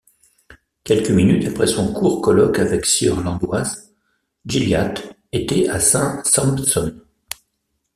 Quelques minutes après son court colloque avec sieur Landoys, Gilliatt était à Saint-Sampson.